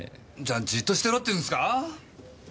じっとしてろって言うんすか？